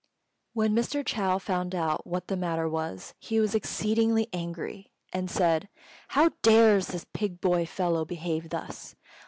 When Mr. Chou found out what the matter was, he was exceedingly angry, and said, "How dares this pig boy fellow behave thus?